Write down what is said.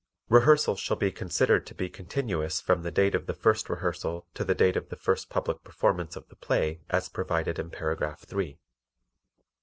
Rehearsals shall be considered to be continuous from the date of the first rehearsal to the date of the first public performance of the play as provided in paragraph three.